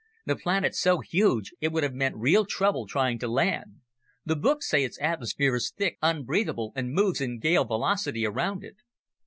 The planet's so huge it would have meant real trouble trying to land. The books say its atmosphere is thick, unbreathable, and moves in gale velocity around it."